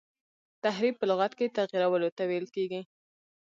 تحریف په لغت کي تغیرولو ته ویل کیږي.